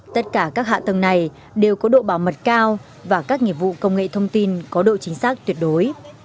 tất cả các hạ tầng này đều có độ bảo mật cao và các nghiệp vụ công nghệ thông tin có độ chính xác tuyệt đối